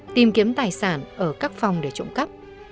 tìm kiếm tài sản ở các phòng để trộm cắp